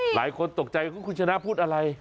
หลายคนตกใจคุณชนะพูดอะไร